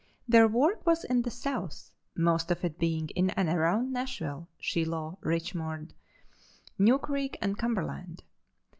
Their work was in the South, most of it being in and around Nashville, Shiloh, Richmond, Ky.; New Creek and Cumberland.